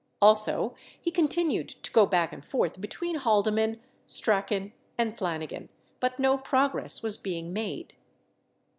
Also he continued to go back and forth between Haldeman, Strachan, and Flanigan but no progress was being made.